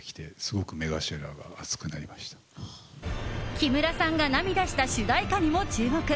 木村さんが涙した主題歌にも注目。